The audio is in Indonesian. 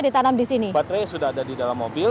ditanam disini baterai sudah ada di dalam mobil